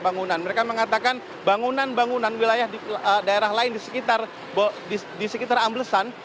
bangunan mereka mengatakan bangunan bangunan wilayah di daerah lain di sekitar amblesan